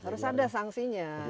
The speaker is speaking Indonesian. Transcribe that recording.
harus ada sanksinya